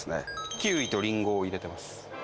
キウイとリンゴを入れてます。